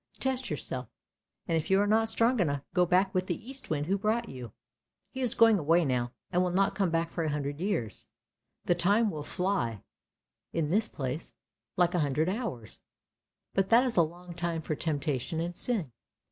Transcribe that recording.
" Test yourself, and if you are not strong enough, go back with the Eastwind who brought you. He is going away now, and will not come back for a hundred years; the time will fly in this place like a hundred hours, but that is a long time for temptation and sin.